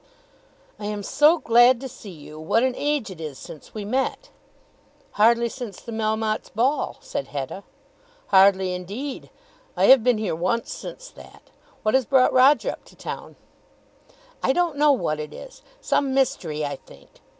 "I am so glad to see you. What an age it is since we met." "Hardly since the Melmottes' ball," said Hetta. "Hardly indeed. I have been here once since that. What has brought Roger up to town?" "I don't know what it is. Some mystery, I think.